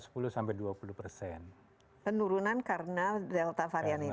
penurunan karena delta varian ini